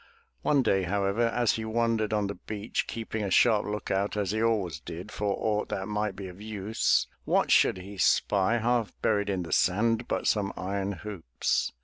One day, however, as he wandered on the beach, keeping a sharp lookout as he always did for aught that might be of use, what should he spy, half buried in the sand, but some iron hoops.